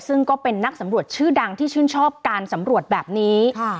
ซึ่งก็เป็นนักสำรวจชื่อดังที่ชื่นชอบการสำรวจแบบนี้